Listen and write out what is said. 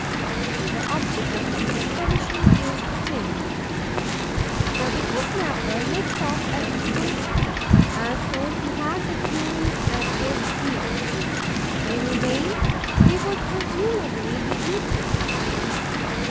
The object of the expedition is attained. The whipper snapper makes off at full speed, as though he had the Furies at his heels. If he remained, he would presumably be eaten.